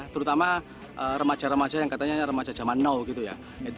terutama remaja remaja yang katanya remaja zaman now gitu ya